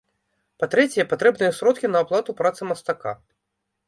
Па-трэцяе, патрэбныя сродкі на аплату працы мастака.